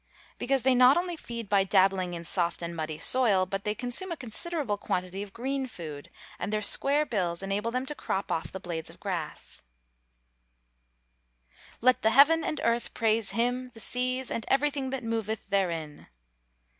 _ Because they not only feed by dabbling in soft and muddy soil, but they consume a considerable quantity of green food, and their square bills enable them to crop off the blades of grass. [Verse: "Let the heaven and earth praise him, the seas, and everything that moveth therein."